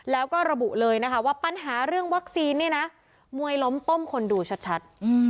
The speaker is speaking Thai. แล้วก็ระบุเลยนะคะว่าปัญหาเรื่องวัคซีนเนี่ยนะมวยล้มต้มคนดูชัด